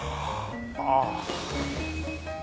ああ。